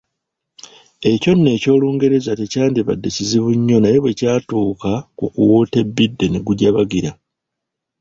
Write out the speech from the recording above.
Ekyo nno eky'olungereza tekyalibadde kizibu nnyo naye bwe kyatuuka ku kuwuuta ebbidde ne gujabajjira.